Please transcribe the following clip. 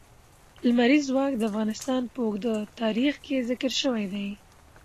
لمریز ځواک د افغانستان په اوږده تاریخ کې ذکر شوی دی.